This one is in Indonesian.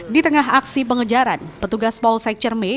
di tengah aksi pengejaran petugas polsek cermei